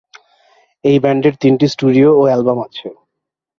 এই ব্যান্ডের তিনটি স্টুডিও অ্যালবাম আছে।